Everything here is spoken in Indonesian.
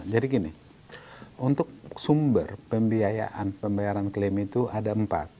jadi gini untuk sumber pembayaran claim itu ada empat